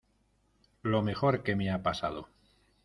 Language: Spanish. lo mejor que me ha pasado.